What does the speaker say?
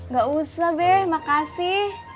gak usah be makasih